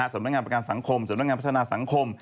สำนักงานประกันสังคมสำนักงานพัฒนาสังคม